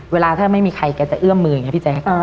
เวลาถ้าไม่มีใครแกจะเอื้อมมืออย่างนี้พี่แจ๊ค